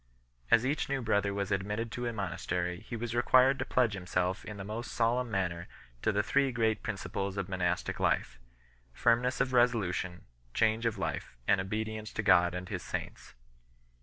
As each new brother was admitted to a monastery he was required to pledge himself in the most solemn manner to the three great principles of monastic life, firmness of resolution, change of life, and obedience to God and His saints 2